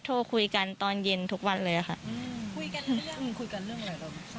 โทรคุยกันตอนเย็นทุกวันเลยค่ะคุยกันเรื่องคุยกันเรื่องอะไรบ้าง